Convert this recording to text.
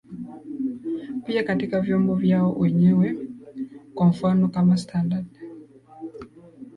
pia katika vyombo vyao wenyewe kwa mfano kama standard